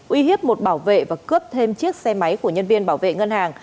uy hiếp một bảo vệ và cướp thêm chiếc xe máy của nhân viên bảo vệ ngân hàng